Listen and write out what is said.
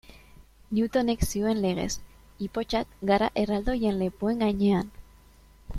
Newtonek zioen legez, ipotxak gara erraldoien lepoen gainean.